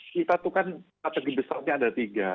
kita itu kan kategori besar ada tiga